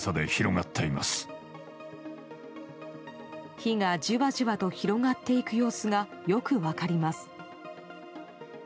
火がじわじわと広がっていく様子がよく分かります。